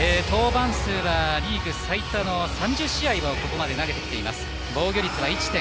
リーグ最多の３０試合をここまで投げています。